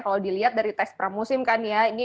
kalau dilihat dari tes pramusim kan ya